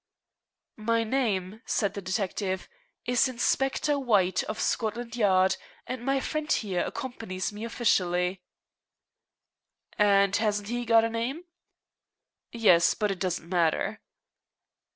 "My name," said the detective, "is Inspector White, of Scotland Yard, and my friend here accompanies me officially." "And hasn't he got a name?" "Yes; but it doesn't matter."